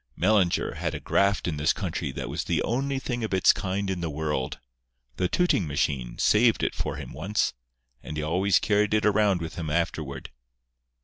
Mellinger had a graft in this country that was the only thing of its kind in the world. The tooting machine saved it for him once, and he always carried it around with him afterward."